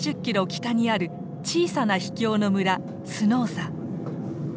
北にある小さな秘境の村スノーサ。